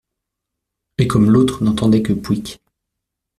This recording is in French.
Et comme l’autre n’entendait que pouic